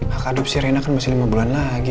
hak adopsi rina kan masih lima bulan lagi